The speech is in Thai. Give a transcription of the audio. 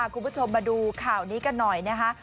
คุณผู้ชมมาดูข่าวนี้กันหน่อยนะคะ